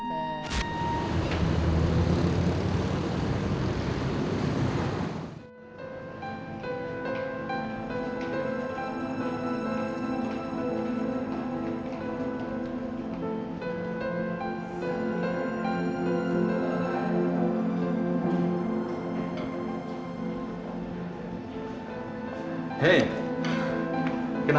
bapak ada waktu sebentar